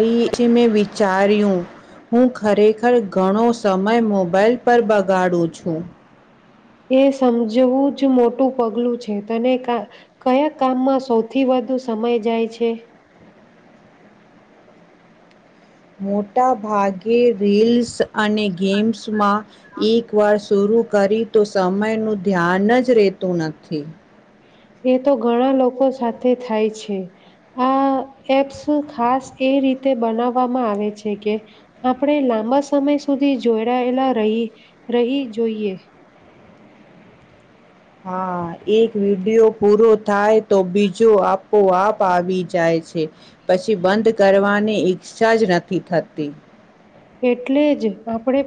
રીથી મેં વિચાર્યું હું ખરેખર ઘણો સમય મોબાાઈલ પર બગાડું છું. એ સમજવું જ મોટું પગલું છે. તને કયા કામમાં સૌથી વધુ સમય જાય છે. મોટા ભાગે રીલ્સ અને ગેમ્સમાં એકવાર શરૂ કરી તો સમયનું ધ્યાન જ રહેતું નથી. એ તો ઘણા લોકો સાથે થાય છે આ એપ્સ ખાસ એ રીતે બનાવવામાં આવે છે કે આપણે લાંબા સમય સુધી જોડાયેલા રહી જોઈએ. હા એક વિડીિયો પૂરો થાય તો બીજો આપોઆપ આવી જાય છે પછી બંધ કરવાની ઈચ્છા જ નથી થતી. એટલે જ આપણે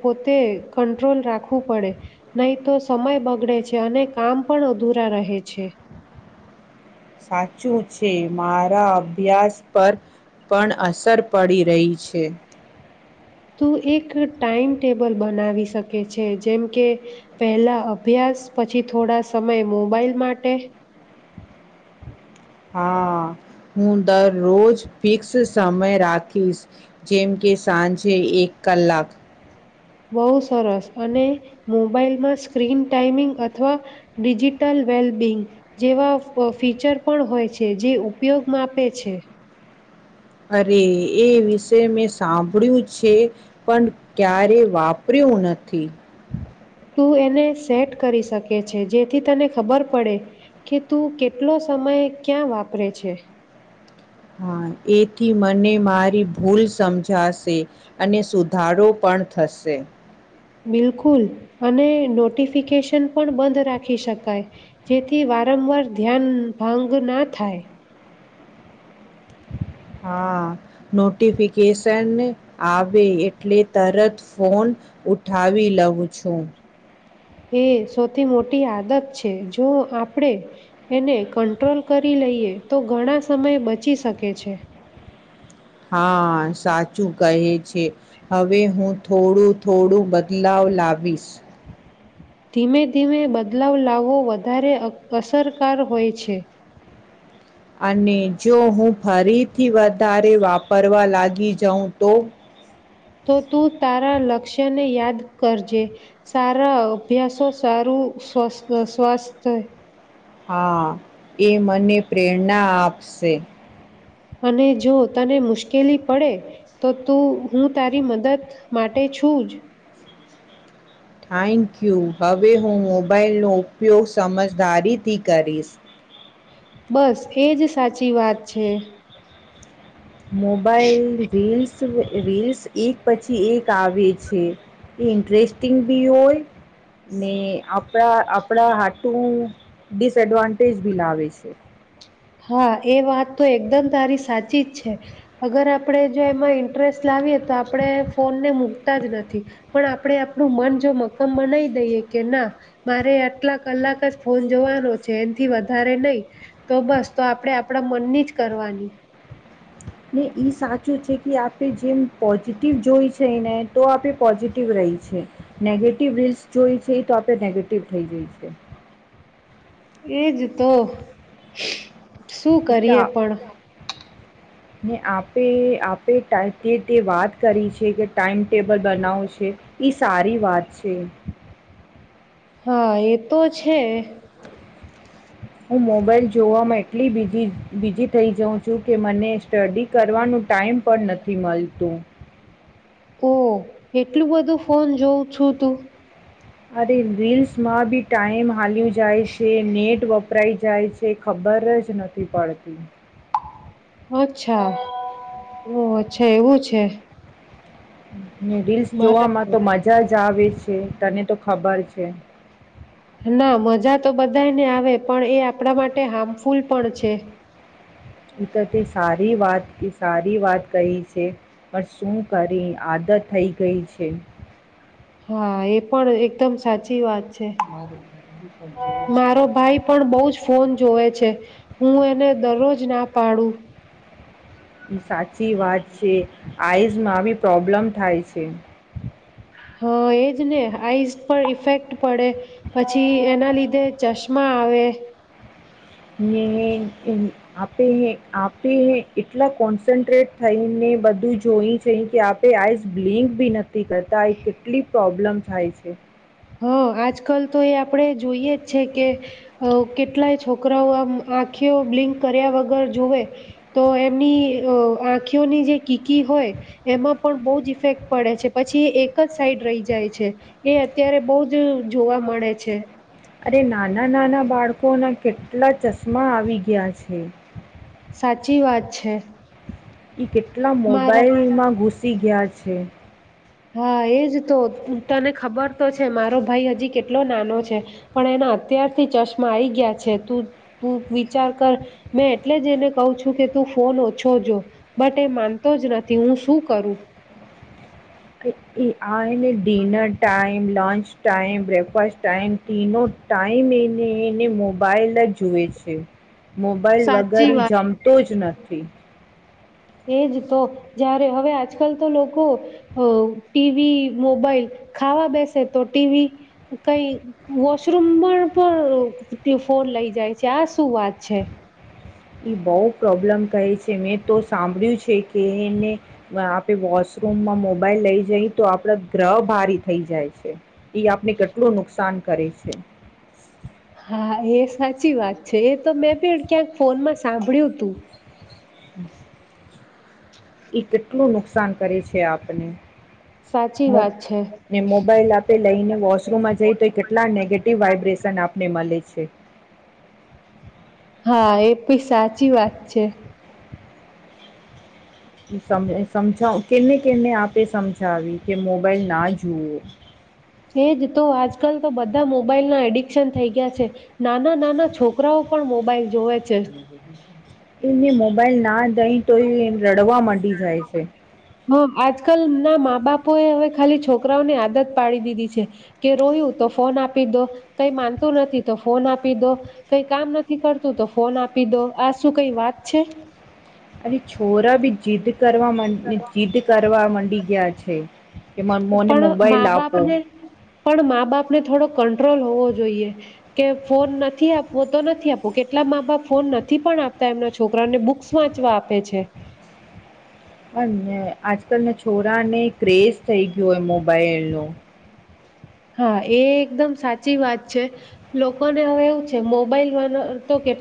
પોતે કંટ્રોલ રાખવું પડે નહીં. તો સમય બગડે છે અને કામ પણ અધુરા રહે છે. સાચું છે મારા અભ્યાસ પર પણ અસર પડી રહી છે. તું એક ટાાઈમ ટેબલ બનાવી શકે છે જેમ કે પહેલા અભ્યાસ પછી થોડા સમય મોબાઈલ માટે. હા હું દરરોજ ફિક્સ સમય રાખીશ જેમ કે સાંજે એક કલાક. બહુ સરસ અને મોબાઈલમાં સ્ક્રીન ટાઈમિંગ અથવા ડિજિટલ વેલ્બિંગ જેવા ફીચર પણ હોય છે જે ઉપયોગ માપે છે. અરે એ વિશે મેં સાંભળ્યું છે પણ ક્યારે વાપર્યું નથી. તું એને સેટ કરી શકે છે. જેથી તને ખબર પડે કે તું કેટલો સમય ક્યાં વાપરે છે. હા એથી મને મારી ભૂલ સમજાશે અને સુધારો પણ થશે. બિલકુલ અને નોટિફિકેશન પણ બંધ રાખી શકાય. જેથી વારંવાર ધ્યાન ભંગ ના થાય. હા નોટિફિકેશન આવે એટલે તરત ફોન ઉઠાવી લઉં છું. એ સૌથી મોટી આદત છે જો આપણે એને કંટ્રોલ કરી લઈએ તો ઘણા સમય બચી શકે છે. હા સાચું કહે છે. હવે હું થોડું થોડું બદલાવ લાવીશ. ધીમે ધીમે બદલાવ લાવવો વધારે અસ અસરકાર હોય છે. અને જો હું ફરીથી વધારે વાપરવા લાગી જાઉં તો? તો તું તારા લક્ષ્યને યાદ કરજે. સારા અભ્યાસો, સારું સ્વા શ્વાસ્થ હા એ મને પ્રેરણા આપશે. અને જો તને મુશ્કેલી પડે તો તું હું તારી મદદ માટે છું જ. Thank you. હવે હું મોબાઈલનો ઉપયોગ સમજદારીથી કરીશ. બસ એજ સાચી વાત છે. મોબાઈલ રીલ્સ રીલ્સ એક પછી એક આવે છે એ ઇન્ટરેસ્ટિંગ બી હોય ને આપણા આપણા આટું ડિસએડવાન્ટેજ બી લાવે છે. હા એ વાત તો એકદમ તારી સાચી જ છે. અગર આપણેે જો એમાં ઇન્ટરેસ્ટ લાવીએ તો આપણે ફોનને મુક તા જ નથી. પણ આપણે આપણું મન ન મક્કમ બનાઈ દઈએ કે ના મારે આટલા કલાક જ ફોન જોવાનો છે એનથી વધારે નઈ તો બસ તો આપડે આપણા મનની જ કરવાની. ને ઈ સાચું છે કે આપણે જેમ પોઝિટિવ જોય છે ને તો આપે પોઝિટિવ રહી છે. નેગેટિવ રીલ્સ જોય છે તો આપણે નેગેટિવ થઈ જાય છે. એ જ તો. શું એક તો કરીએ આ પણ. ને આપે આપે તે તે વાત કરી છે કે ટાઈમટેબલ બનાવું છે એ સારી વાત છે. હા એ તો છે. હું મોબાઇલ જોવામાં એટલી બીઝી થઈ જાઉં છું કે મને સ્ટડી કરવાનું ટાઈમ પણ નથી મળતું. ઓ એટલું બધું ફોન જોઉં છું તું? અરે રીલ્સમાં બી ટાઈમ હાલ્યો જાય છે, નેટ વપરાઈ જાય છે ખબર જ નથી પડતી. અચ્છા ઓ અચ્છા એવું છે. હમ્મ. ને રીલ્સ જોવામાં બરાબર તો મજા જ મજા આવે છે તને તો ખબર છે. ના મજા તો બધાને આવે પણ એ આપણા માટે હાર્મફુલ પણ છે. હુ તો તે સારી વાત સારી વાત કહી છે. પણ શું કરી આદત થઈ ગઈ છે. હા એ પણ એકદમ સાચી વાત છે. મારો ભાઈ પણ બવજ ફોન જોવે છે હું એને દરરોજ ના પાડું. સાચી વાત છે. આઈઝમાં બી પ્રોબ્લેમ થાય છે. હા એજ ને આઈસ પર ઈફેક્ટ પડે પછી એના લીધે ચશ્મા આવે. ને આપે આપે એટલા કોન્ટન્ટ્રેટ થઈને બધું જોય છે કે આપે આઈઝ બ્લિંક ભી ન થી કરતા કેટલી પ્રોબ્લેમ થાય છે. હા આજકાલ તો એ આપણે જોઈએ જ છે કે અ કેટલાય છોકરાઓ આમ આંખીઓ બ્લિંક કર્યા વગર જુવે તો એમની આંખીયોની જે કીકી હોય એમાં પણ બહુ જ ઇફેક્ટ પડે છે. પછી એ એક જ સાઈડ રહી જાય છે. એ અત્યારે બવ જ જોવા મળે છે. અરે નાના નાના બાળકોના કેટલા ચશ્મા આવી ગયા છે. સાચી વાત છે. ઈ કેટલા મારા મોબાઈલમાં ગુસ સી ગયા છે. હા એજ તો તને ખબર તો છે મારો ભાઈ હજી કેટલો નાનો છે, પણ એના અત્યારથી ચશ્મા આઈ ગયા છે, તું તું વિચાર કર મેં એટલે જ એને કહ છું કે તું ફોન ઓછો, જો બટ એ માનતો જ નથી હું શું કરું? આ એને dinner time lunch time breakfast time તેનો ટાઈમ એને એને મોબાઈલ જ જુએ છે. મોબાઈલ સાચી વગેરે વાત જમતો જ નથી. એજ તો, જારે હવે આજકાલ તો લોકો, અ ટીવી મોબાઈલ ખાવા બેસે તો ટીવી કઈ વોશરૂમમાં પણ ફોન લઈ જાય છે આ શું વાત છે. એ બહ પ્રોબ્લેમ કહે છે મેં તો સાંભળ્યું છે કે એને, આપણે વોશરૂમમાં મોબાઈલ લઈ જઈ તો આપડા ગ્રહ ભારી થઈ જાય છે. એઈ આપને કેટલું નુકસાન કરે છે. હા એ સાચી વાત છે એ તો મેં પણ ક્યાંક ફોનમાં સાંભળ્યું હતું. કેટલું નુકસાન કરે છે આપને. સાચી વાત છે ને મોબાઈલ આપે લઈને વોશરૂમમાં જઈ તો કેટલા નેગેટિવ વાઈબ્રેશન આપને મળે છે. છે. હા એ પણી સાચી વાત છે. સમજાવ કેમને કેમને આપે સમજાવી કે મોબાઈલ ના જુઓ. એજ તો આજકાલ તો બધા મોબાઈલ ના એડિકશન થઈ ગયા છે, નાના નાના છોકરાઓ પણ મોબાઈલ જોવે છે. એને મોબાઈલ ના દઈ તો એ રડવા માંડી જાય છે. હા આજકાલ ના મા બાપો એ હવે ખાલી છોકરાઓની આદત પાડી દીધી છે, કે રોય્યું તો ફોન આપી દો, કઈ માનતું નથી તો ફોન આપી દો, કઈ કામ નથી કરતું તો ફોન આપી દો, આ શું કઈ વાત છે. અને છોરા ભી જીદ કરવામાં માંગે બી ગયા છે. કે મને પણ મોબાઈલ મા આપો બાપને પણ મા બાપ ને થોડો ક કંટ્રોલ હોવું જોઈએ, કે ફોન નથી આપવો તો નથી આપવું કેટલા મા બાપ ફોન નથી પણ આપતા એમના છોકરાને બુક્સ વાંચવા આપે છે. અને આજકાલના છોરા ને ક્રેઝ થઈ ગયો હોય મોબાઈલનો. હા એ એકદમ સાચી વાત છે, લોકોને હવે એવું છે મોબાઈલ વા તો કે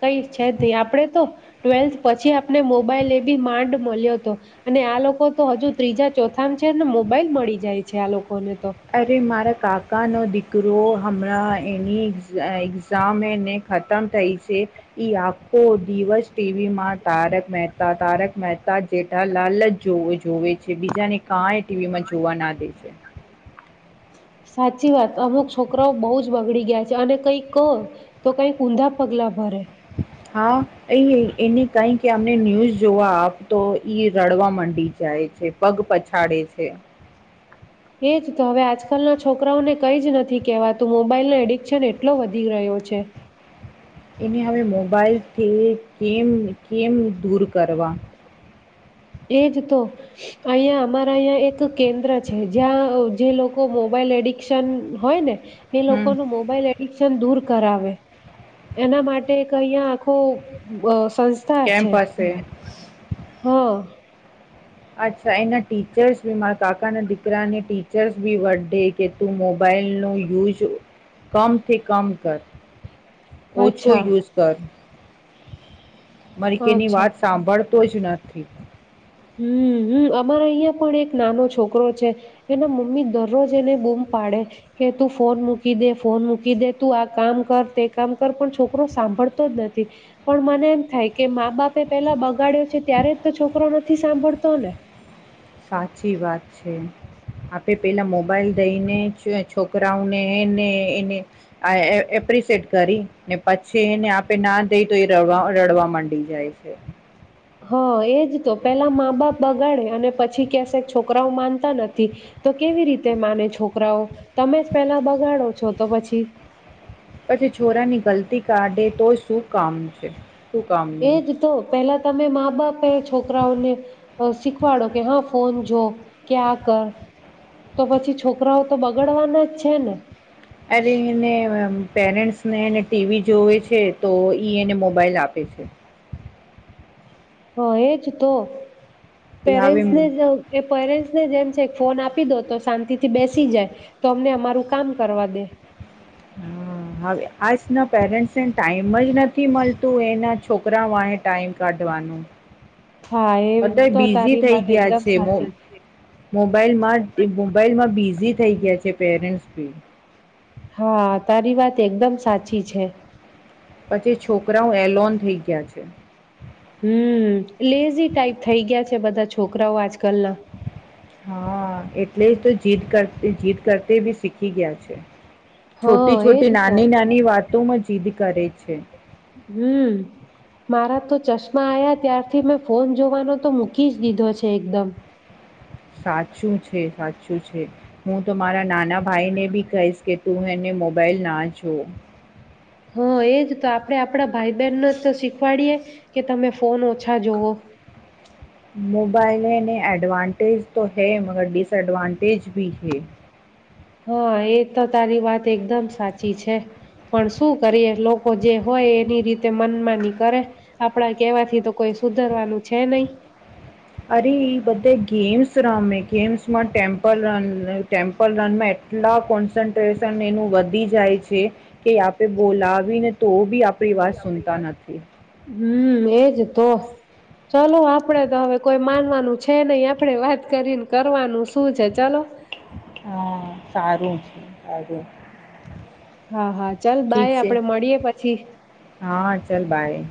કઈ છે નહી આપડે, તો ટ્વેલ્થ પછી આપને મોબાઈલ એ બી માંડ મળ્યો હતો, અને આ લોકો તો હજુ ત્રીજા ચોથામાં છે ને મોબાઈલ મળી જાય છે આ લોકો અરે મારા કાકાનો દીકરો હમણાં એની એક્ઝામને ખતમ થઈ છે, એ આખો દિવસ ટીવીમાં તારક મહેતા તારક મહેતા જેઠાલાલ જ જોવે છે બીજાને કાંય ટીવીમાં જોવા ના દે છે. સાચી વાત અમુક છોકરાઓ બઉુ જ બગડી ગયા છે અને કઈક કહો, તો કઈક ઊંધા પગલા ભરે. હા એ એને કઈ કે અમને ન્યૂઝ જોવા આપ તો ઈ રડવા માંડી જાય છે પગ પછાડે છે. એજ હવે આજકાલના છોકરાઓને કંઈ જ નથી કહેવાતું મોબાઈલનો એડિકશન એટલો વધી રહ્યો છે. ને હવે મોબાઈલથી કેમ કેમ દૂર કરવા? એજ તો, અહીં અમારા અહં એક કેન્દ્ર છે જ્યાં જે લોકો મોબાઈલ એડિક્શન હોય ને એ લોકો હમ ન મોબાઈલ એડિક્શન દૂર કરાવે, એના માટે અહીયા આખું સંસ્થા કેમ્પ છે. હશે હા. અચ્છા એના ટીચર્સ બી મારા કાકાના દીકરાને ટીચર્સ બી વર્ડે કે તું મોબાાઈલનો યુઝ કમથી કમ કર. ઓછો અચ્છા યુઝ કર. મરીકેની અચ્છા વાત સાંભળ તોજ નથી. હમ હમ અમારા અહિયાં પણ એક નાનો છોકરો છે, એના મમ્મી દરરોજ એને બૂમ પાડે કે, તું ફોન મૂકી દે ફોન મૂકી દે તું આ કામ કર તે કામ કર પણ છોકરો સાંભળતો જ નથી, પણ મને એમ થાય કે મા બાપે પેલા બગાડ્યો ત્યારે તો છોકરાનો નથી સાંભળતો ને. સાચી વાત છે, આપે પેલા મોબાઈલ દઈને જ છોકરાઓને એને એને એપ્રિસિએટ કરી ને પછી એને આપે ના દઈ તો એ રવા રડવા માંડી જાય છે. હા એજ તો પેલા મા બાપ બગાડે અને પછી કેસે છોકરાઓ માનતા નથી, તો કેવી રીતે માને છોકરાઓ તમે જ પેલા બગાડો છો, તો પછી પછી છોરાની ગલતી કાઢે તો શું કામ છે. શું કામનું એજ તો પેલા તમે મા બાપે છોકરાઓને શીખવાડો કે હા ફોન જો, કે આ કર તો પછી છોકરાઓ તો બગડવાના જ છે ને. અરેને પેરેન્ટ્સને એને ટીવી જોવે છે તો ઈ એને મોબાઈલ આપે છે. હ એજ તો. એ હવે પેરેન્ટસ ને પેરેન્ટ્ ને જેમ છે ફોન આપી દો તો શાંતિ થી બેસી જાય, તો અમને અમારું કામ કરવા દે. હ હવે આજના પેરેન્ટ્સને ટાઈમ જ નથી મળતું એના છોકરા વાને ટાઈમ કાઢવાનું. હા એ બધ્યારે તો બિઝી તારી થઈ વાત ગયા એકદમ છે સાચી મોબાઈલમાં મોબાઈલમાં બિઝી થઈ ગયા છે પેરેન્ટસ બી. હા તારી વાત એકદમ સાચી છે. પછી છોકરાઓ એલોન થઈ ગયા છે. હમ લેઝી ટાઈપ થઈ ગયા છે. છે બધા છોકરાઓ આજકાલના. હા એટલે જ તો જીદ કર જીદ કરતા બી શીખી ગયા છે. હા છોટી એજ છોટી તો નાની નાની વાતોમાં જ સીદ કરે છે. હમ, મારા તો ચશ્મા આવયા ત્યારથી મેં ફોન જોવાનો તો મૂકી જ દીધો છે એકદમ. સાચું છે સાચું છે, હું તો મારા નાના ભાઈને બી કહીશ કે તું એને મોબાઈલ ના જોઉ. હા એજ તો આપડે આપણા ભાઈ બહેનને તો શીખવાડીયએ, કે તમે ફોન ઓછા જોવો. મોબાાઈલેને એડવાન્ટ્ટજ઼ તો હૈ મગર ડિસએડવાન્ટટેજ ભી હૈ. હા એ તો તારી વાત એકદમ સાચી છે, પણ શું કરીએ લોકો જે હોય એની રીતે મનમાની કરે, આપણા કેવાથી તો કોઈ સુધરવાનું છે નહી. અરે ઈ બધે ગેમ્સ રમે, ગેમ્સમાં ટેમ્પલ રન ટેમ્પલ રનમાં એટલા કોન્સન્ટ્રેશન એનું વધી જાય છે. કે આપે બોલાવી નથી. તોભી આપ વાત સુનતા નથી. હમ એજ તો, ચલો આપડે તો હવે કોઈ માનવાનું છે નહી આપડે વાત કરીને કરવાનું શું છે ચલો. હા સારું છે સારું. હા હા ચાલ ઠીક બાાય છે આપડે મળીએે પછી. હા ચલ બાય.